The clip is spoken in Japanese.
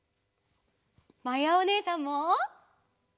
まやおねえさんも！